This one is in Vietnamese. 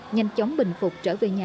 nhanh chóng bình phục trở về nhà